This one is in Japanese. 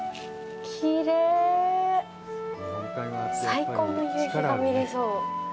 最高の夕日が見れそう。